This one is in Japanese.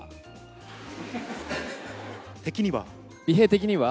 的には？